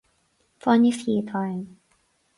Fáinne fí atá ann.